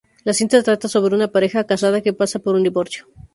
La cinta trata sobre una pareja casada que pasa por un divorcio.